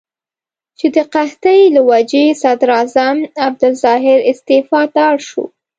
چې د قحطۍ له وجې صدراعظم عبدالظاهر استعفا ته اړ شو.